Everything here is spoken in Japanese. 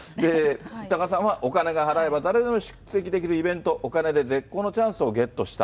多賀さんはお金を払えば誰でも出席できるイベント、お金で絶好のチャンスをゲットした。